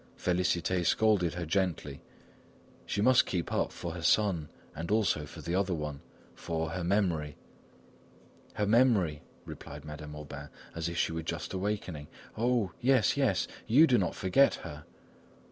Félicité scolded her gently; she must keep up for her son and also for the other one, for "her memory." "Her memory!" replied Madame Aubain, as if she were just awakening, "Oh! yes, yes, you do not forget her!"